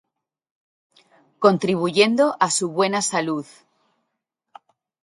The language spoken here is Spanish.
Contribuyendo a su buena salud.